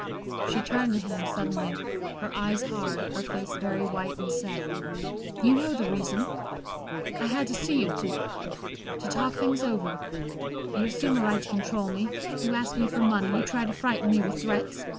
She turned to him, suddenly, her eyes hard, her face very white and set. "You know the reason." "I had to see you, to to talk things over. You assume a right to control me, you ask me for money, you try to frighten me with threats.